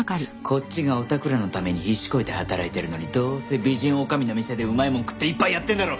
こっちがおたくらのために必死こいて働いてるのにどうせ美人女将の店でうまいもん食って一杯やってんだろ！